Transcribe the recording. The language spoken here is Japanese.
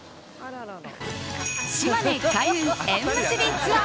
島根・開運縁結びツアー！